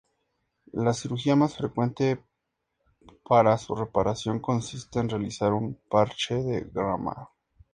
La cirugía más frecuente para su reparación consiste en realizar un Parche de Graham.